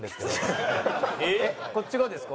こっち側ですか？